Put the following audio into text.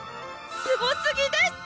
すごすぎです！